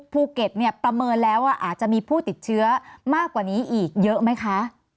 ภูเก็ตเนี่ยประเมินแล้วว่าอาจจะมีผู้ติดเชื้อมากกว่านี้อีกเยอะไหมคะ